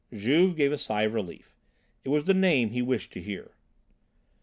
Juve gave a sigh of relief. It was the name he wished to hear.